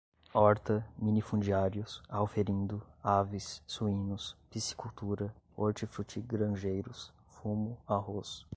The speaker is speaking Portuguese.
horta, minifundiários, auferindo, aves, suínos, piscicultura, hortifrutigranjeiros, fumo, arroz